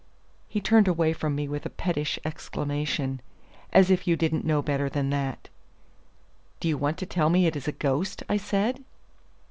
He turned away from me with a pettish exclamation, "As if you didn't know better than that!" "Do you want to tell me it is a ghost?" I said.